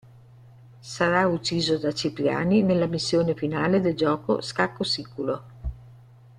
Sarà ucciso da Cipriani nella missione finale del gioco "Scacco Siculo".